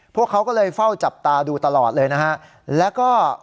พวกเขาก็เลยเฝ้าจับตาดูตลอดเลยนะฮะแล้วก็